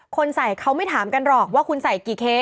ใส่เขาไม่ถามกันหรอกว่าคุณใส่กี่เคส